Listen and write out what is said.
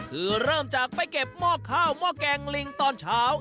คือเริ่มจากไปเก็บหม้อข้าวหม้อแกงลิงตอนเช้า